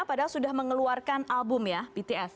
padahal sudah mengeluarkan album ya btf